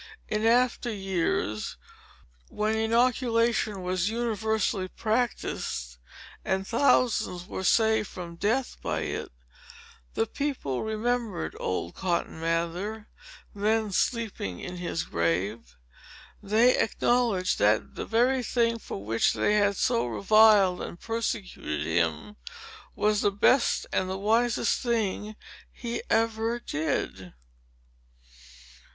In after years, when inoculation was universally practised, and thousands were saved from death by it, the people remembered old Cotton Mather, then sleeping in his grave. They acknowledged that the very thing, for which they had so reviled and persecuted him, was the best and wisest thing he ever did.